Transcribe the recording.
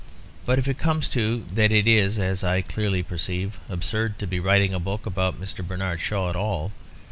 But if it comes to that it is (as I clearly perceive) absurd to be writing a book about Mr. Bernard Shaw at all.